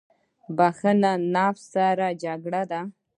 • بښل له نفس سره جګړه ده.